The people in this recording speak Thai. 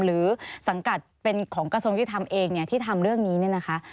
หรือสังกัดเป็นของกระทรวงยุทธรรมเองเนี่ยที่ทำเรื่องนี้เนี่ยนะคะ